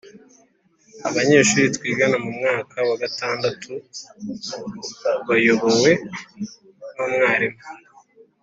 Abanyeshuri twigana mu mwaka wa gatandatu tuyobowe n’umwarimu